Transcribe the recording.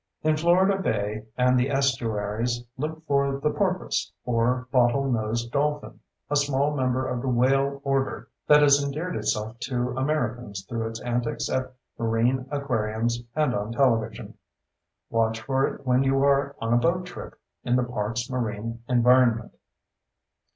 In Florida Bay and the estuaries, look for the porpoise, or bottlenosed dolphin, a small member of the whale order that has endeared itself to Americans through its antics at marine aquariums and on television. Watch for it when you are on a boat trip in the park's marine environment.